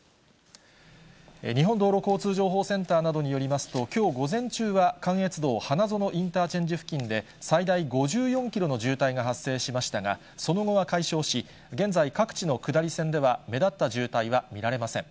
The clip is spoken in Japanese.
日本道路交通情報センターなどによりますと、きょう午前中は、関越道花園インターチェンジ付近で最大５４キロの渋滞が発生しましたが、その後は解消し、現在各地の下り線では目立った渋滞は見られません。